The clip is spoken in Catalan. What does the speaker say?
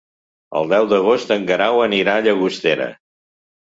El deu d'agost en Guerau anirà a Llagostera.